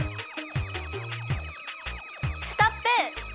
ストップ！